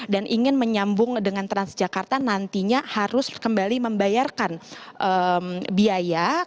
dan ingin menyambung dengan transjakarta nantinya harus kembali membayarkan biaya